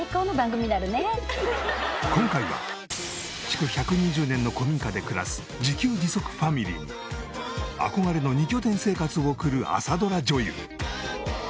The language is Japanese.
今回は築１２０年の古民家で暮らす自給自足ファミリーに憧れの２拠点生活を送る朝ドラ女優。